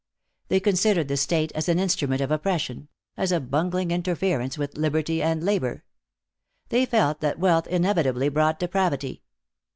They considered the state as an instrument of oppression, as a bungling interference with liberty and labor; they felt that wealth inevitably brought depravity.